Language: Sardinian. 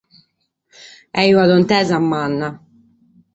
Est una tontesa manna.